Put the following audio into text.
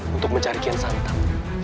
untuk mencari kian santan